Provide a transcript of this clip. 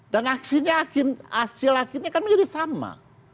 dan hasil hasilnya akan menjadi sama